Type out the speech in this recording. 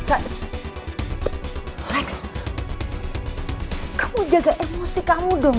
kamu jaga emosi kamu dong